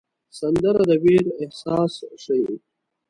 سندره د ویر احساس ښيي